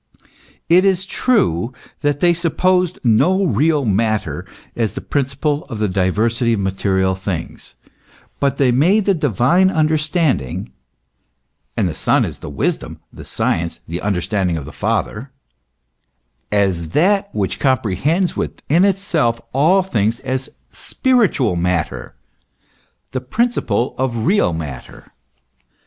It is true that they supposed no real matter as the principle of the diversity of material things, but they made the Divine understanding (and the Son is the wisdom, the science, the understanding of the Father) as that which comprehends within itself all things, as spiritual matter the principle of real matter.